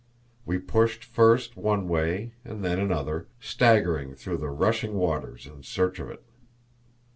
We pushed first one way and then another, staggering through the rushing waters in search of it.